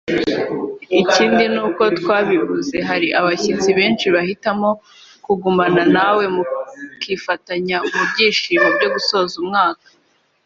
Ikindi nk’uko twabivuze hari abashyitsi benshi bahitamo kugumana nawe mukifatanya mu byishimo byo gusoza umwaka